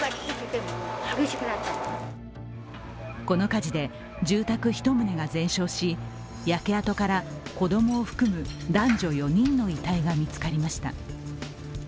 この火事で住宅１棟が全焼し、焼け跡から子供を含む男女４人の遺体が見つかりました。